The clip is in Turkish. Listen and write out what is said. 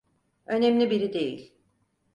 Önemli biri değil.